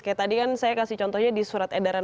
kayak tadi kan saya kasih contohnya di surat edaran